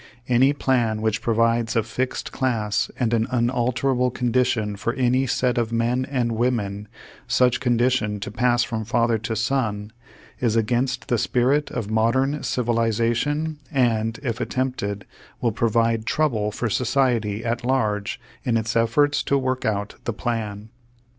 Any plan which provides a fixed class and an unalterable condition for any set of men and women, such condition to pass from father to son, 27 Page Two Hundred nine Page Two Hundred ten is against the spirit of modern civilization and, if attempted, will provide trouble for society at large in its efforts to work out the plan.